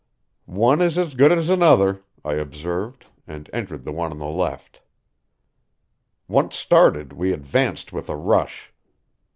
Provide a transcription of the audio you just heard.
"One is as good as another," I observed, and entered the one on the left. Once started, we advanced with a rush.